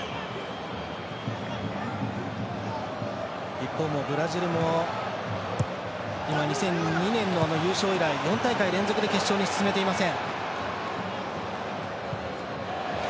一方のブラジルも２００２年の優勝以来４大会連続で決勝に進めていません。